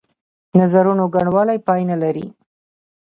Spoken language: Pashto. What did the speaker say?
نظرونو ګڼوالی پای نه لري.